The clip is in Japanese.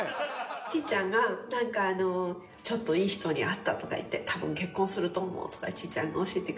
ちーちゃんがなんかあの「ちょっといい人に会った」とか言って「多分結婚すると思う」とかちーちゃんが教えてくれた。